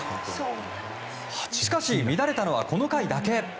しかし、乱れたのはこの回だけ。